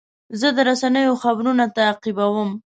زه د رسنیو خبرونه تعقیبوم.